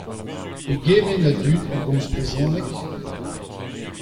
Pegement a dud a gomz brezhoneg ?